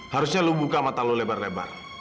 harusnya lo buka mata lo lebar lebar